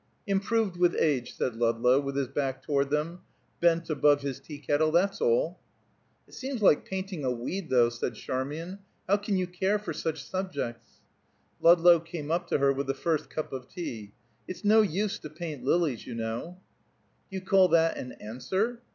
"Improved with age," said Ludlow, with his back toward them, bent above his tea kettle. "That's all." "It seems like painting a weed, though," said Charmian. "How can you care for such subjects?" Ludlow came up to her with the first cup of tea. "It's no use to paint lilies, you know." "Do you call that an answer?"